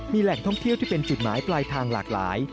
มีแหล่งท่องเที่ยวที่เป็นจุดหมายปลายทางหลากหลาย